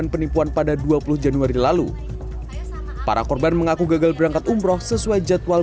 penipuan pada dua puluh januari lalu para korban mengaku gagal berangkat umroh sesuai jadwal